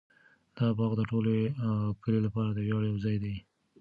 دا باغ د ټول کلي لپاره د ویاړ یو ځای دی.